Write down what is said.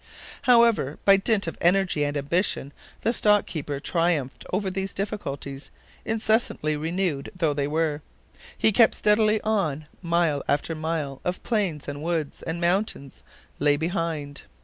However, by dint of energy and ambition, the stock keeper triumphed over these difficulties, incessantly renewed though they were. He kept steadily on; mile after mile of plains and woods, and mountains, lay behind.